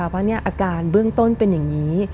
เพราะอาการเบื้องต้นเป็นอย่างนี้